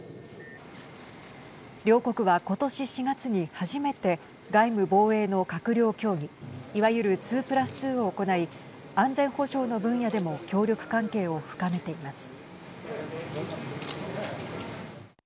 両国は、ことし４月に初めて外務・防衛の閣僚協議いわゆる２プラス２を行い安全保障の分野でも協力関係を深めています。